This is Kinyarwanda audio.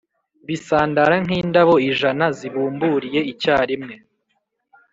bisandara nk’“indabo ijana zibumburiye icyarimwe